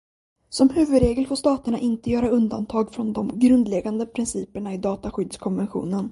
Som huvudregel får staterna inte göra undantag från de grundläggande principerna i dataskyddskonventionen.